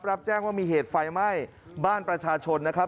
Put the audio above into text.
รับแจ้งว่ามีเหตุไฟไหม้บ้านประชาชนนะครับ